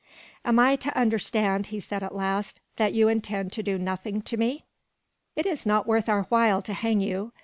"Am I to understand," he said at last, "that you intend to do nothing to me?" "It is not worth our while to hang you.